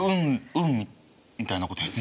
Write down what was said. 運みたいなことですね。